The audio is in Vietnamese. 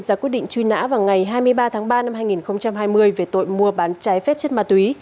ra quyết định truy nã vào ngày hai mươi ba tháng ba năm hai nghìn hai mươi về tội mua bán trái phép chất ma túy